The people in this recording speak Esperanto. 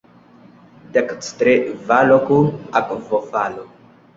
Dekstre valo kun akvofalo.